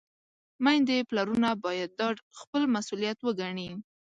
میندې، پلرونه باید دا خپل مسؤلیت وګڼي.